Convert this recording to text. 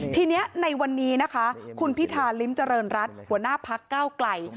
ทีนี้ในวันนี้นะคะคุณพิธาริมเจริญรัฐหัวหน้าพักเก้าไกล